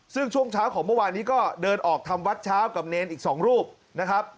ซึ่งช่วงเช้าของเมื่อวานนี้ก็เดินออกทำวัดเช้ากับเนรอีก๒รูปนะครับ